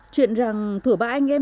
chuyện rằng thủa ba anh em